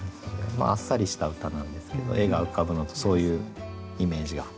まああっさりした歌なんですけど絵が浮かぶのとそういうイメージが膨らんで。